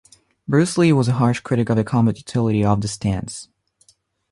Bruce Lee was a harsh critic of the combat utility of the stance.